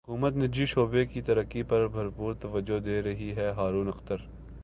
حکومت نجی شعبے کی ترقی پر بھرپور توجہ دے رہی ہے ہارون اختر